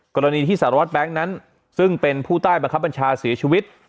กรณีที่สารวัตรแบงค์นั้นซึ่งเป็นผู้ใต้บังคับบัญชาเสียชีวิต